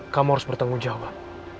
kamu harus bertanggung jawab